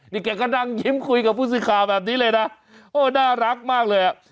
นี่แกก็นั่งยิ้มคุยกับผู้สื่อข่าวแบบนี้เลยนะโอ้น่ารักมากเลยอ่ะ